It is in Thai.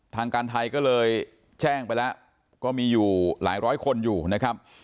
ทางการไทยก็เลยแจ้งไปแล้วก็มีอยู่หลายร้อยคนอยู่นะครับ